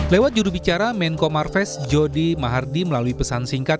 lewat jurubicara menko marves jodi mahardi melalui pesan singkat